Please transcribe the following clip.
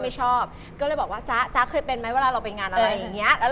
ดูชีวิตแล้วเห็นจ๊ะว่ามีใครแล้ว